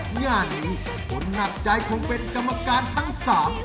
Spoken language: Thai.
งานนี้คนหนักใจคงเป็นกรรมการทั้งสาม